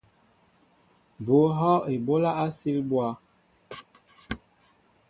Bŭ ŋhɔʼ eɓólá á sil mbwá.